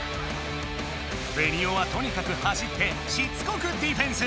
ベニオはとにかく走ってしつこくディフェンス！